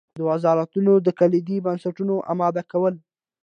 د وزارتونو د کلیدي بستونو اماده کول.